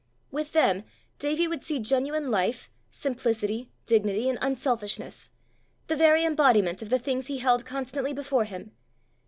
With them Davie would see genuine life, simplicity, dignity, and unselfishness the very embodiment of the things he held constantly before him!